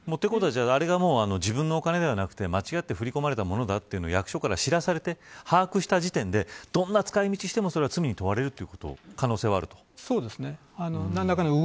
あれが自分のお金ではなく間違って振り込まれたものだというのを役所から知らされて把握した時点でどんな使い方をしても罪に問われる可能性はあると。